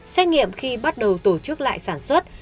xét nghiệm khi bắt đầu tổ chức lại sản xuất